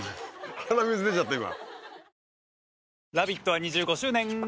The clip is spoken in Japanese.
鼻水出ちゃった今。